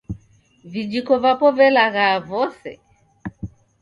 Vijiko vapo velaghaya vose